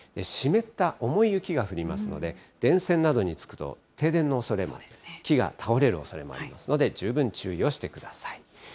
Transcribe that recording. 湿った重い雪が降りますので、電線などにつくと停電のおそれも、木が倒れるおそれもありますので、十分注意をしてください。